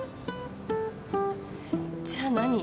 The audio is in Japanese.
じゃあ何？